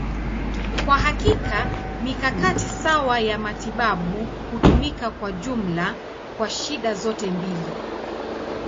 Kwa hakika, mikakati sawa ya matibabu hutumika kwa jumla kwa shida zote mbili.